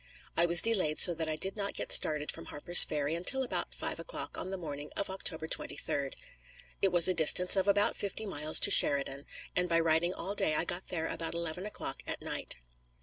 I was delayed so that I did not get started from Harper's Ferry until about five o'clock on the morning of October 23d. It was a distance of about fifty miles to Sheridan, and by riding all day I got there about eleven o'clock at night.